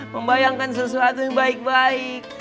membayangkan sesuatu yang baik baik